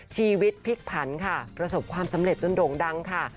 ชีวิตพลิกผันค่ะประสบความสำเร็จจนโด่งดังค่ะ